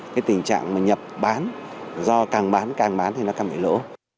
cái tình trạng mà nhập bán do càng bán càng bán thì nó càng bị lỗ